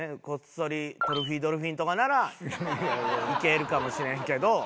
こっそりトロフィードルフィンとかならいけるかもしれんけど。